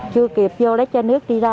chưa kịp vô lấy chai nước đi ra